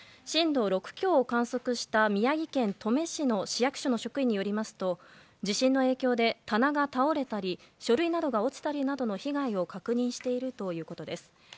震度６強を観測した宮城県登米市の市役所の職員によりますと地震の影響で棚が倒れたり書類などが落ちたりなどの被害を確認しているということです。